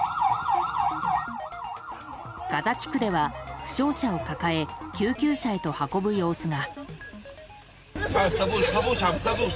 ガザ地区では負傷者を抱え救急車へと運ぶ様子が。